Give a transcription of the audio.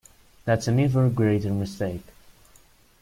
That’s an even greater mistake.